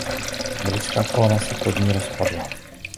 Britská kolona se pod ní rozpadla.